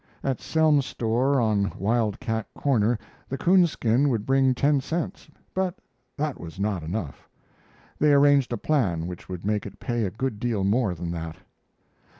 At Selms's store on Wild Cat corner the coonskin would bring ten cents, but that was not enough. They arranged a plan which would make it pay a good deal more than that.